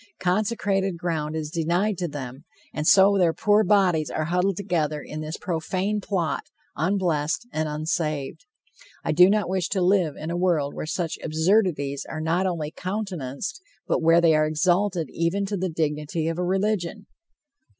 Consecrated ground is denied to them, and so their poor bodies are huddled together in this profane plot, unblessed and unsaved. I do not wish to live in a world where such absurdities are not only countenanced, but where they are exalted even to the dignity of a religion!